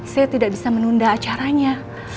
saya tidak bisa menunda acaranya